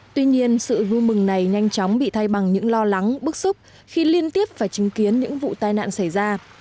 tuy nhiên sự vui mừng này nhanh chóng bị thay bằng những lo lắng bức xúc khi liên tiếp phải chứng kiến những vụ tai nạn xảy ra